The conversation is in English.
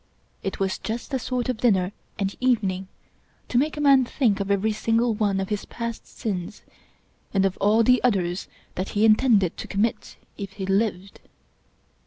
It was just the sort of dinner and evening to make a man think of every single one of his past sins, and of all the others that he intended to commit if he lived.